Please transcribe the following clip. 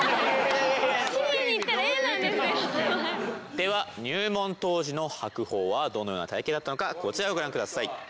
では入門当時の白鵬はどのような体型だったのかこちらをご覧ください。